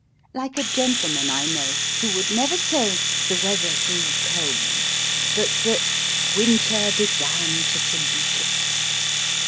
Like a gentleman I know, who would never say "the weather grew cold," but that "winter began to salute us."